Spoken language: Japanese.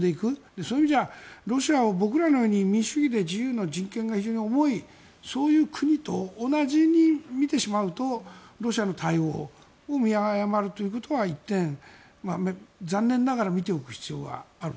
そういう意味ではロシアを僕らのように民主主義で人権が非常に重いそういう国と同じに見てしまうとロシアの対応を見誤るということは１点残念ながら見ておく必要がある。